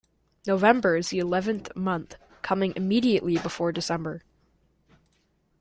November is the eleventh month, coming immediately before December